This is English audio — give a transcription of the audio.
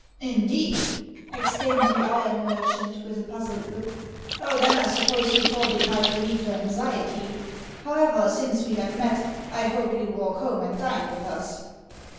"Indeed!" exclaimed the iron merchant, with a puzzled look. "Oh, then I suppose he thought it might relieve her anxiety. However, since we have met, I hope you'll walk home and dine with us."